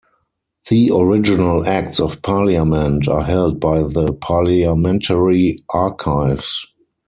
The original Acts of Parliament are held by the Parliamentary Archives.